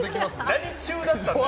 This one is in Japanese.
何中だったんだよ。